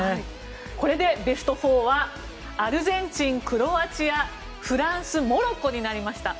これでベスト４はアルゼンチン、クロアチアフランスモロッコになりました。